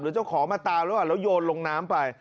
หรือเจ้าของมาตามแล้วแล้วโยนลงน้ำไป